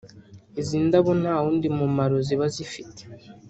izo ndabo nta wundi mumaro ziba zifite